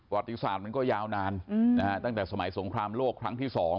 ติศาสตร์มันก็ยาวนานตั้งแต่สมัยสงครามโลกครั้งที่๒